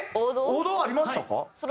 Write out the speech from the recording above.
王道ありましたか？